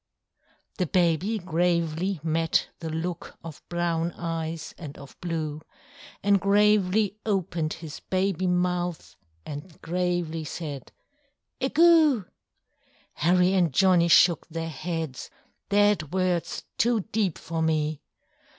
The baby gravely met the look Of brown eyes and of blue: And gravely opened his baby mouth, And gravely said, "A Goo!" Harry and Johnny shook their heads: "That word's too deep for me!"